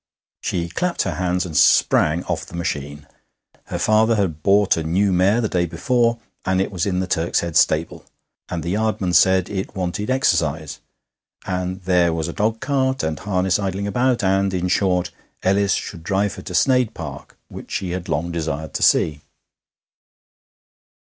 She clapped her hands and sprang off the machine. Her father had bought a new mare the day before, and it was in the Turk's Head stable, and the yardman said it wanted exercise, and there was a dogcart and harness idling about, and, in short, Ellis should drive her to Sneyd Park, which she had long desired to see.